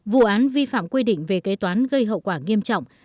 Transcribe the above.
vụ án vi phạm quy định về kế toán gây hậu quả nghiêm trọng